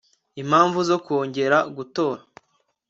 impamvu zo kongera gutora